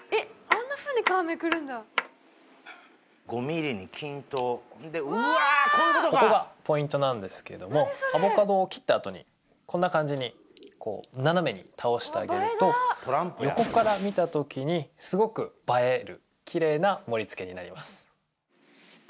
こういうことかここがポイントなんですけれどもアボカドを切ったあとにこんな感じにこう斜めに倒してあげると横から見たときにすごく映える綺麗な盛り付けになります